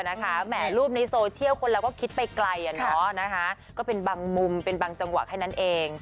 เออนะคะแหม่รูปในโซเชียลคนเราก็คิดไปไกลอ่ะเนาะนะคะก็เป็นบางมุมเป็นบางจังหวะแค่นั้นเอง